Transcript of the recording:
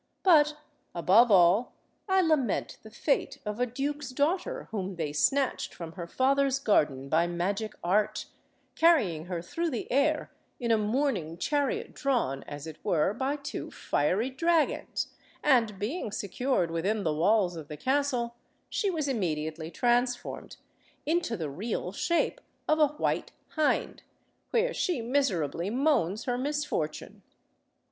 But, above all, I lament the fate of a duke's daughter, whom they snatched from her father's garden by magic art, carrying her through the air in a mourning chariot drawn, as it were, by two fiery dragons, and, being secured within the walls of the castle, she was immediately transformed into the real shape of a white hind, where she miserably moans her misfortune.